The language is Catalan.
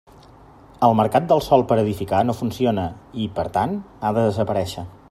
El mercat del sòl per edificar no funciona i, per tant, ha de desaparéixer.